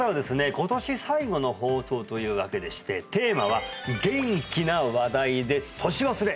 今年最後の放送というわけでしてテーマは「ゲンキな話題で年忘れ」